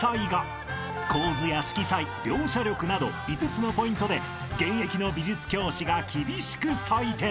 ［構図や色彩描写力など５つのポイントで現役の美術教師が厳しく採点］